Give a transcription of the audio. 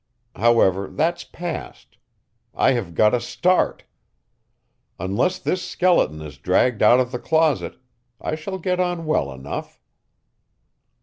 However, that's past. I have got a start. Unless this skeleton is dragged out of the closet, I shall get on well enough."